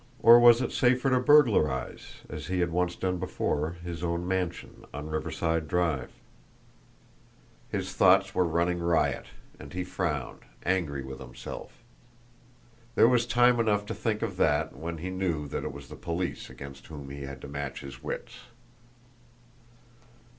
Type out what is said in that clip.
Or was it safer to burglarise, as he had once done before, his own mansion on Riverside Drive? His thoughts were running riot, and he frowned, angry with himself. There was time enough to think of that when he knew that it was the police against whom he had to match his wits.